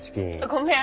ごめん。